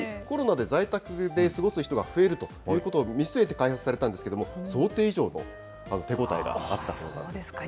コロナで在宅で過ごす人が増えるということを見据えて開発されたんですが、想定以上の手応えがあったそうです。